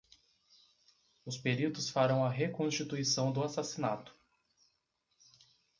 Os peritos farão a reconstituição do assassinato.